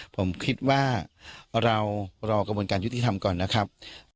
ผมคิดว่าเรารอกระบวนการยุติธรรมก่อนนะครับ